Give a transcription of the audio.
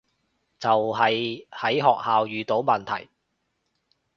就係喺學校遇到問題